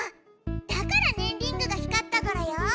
だからねんリングが光ったゴロよ。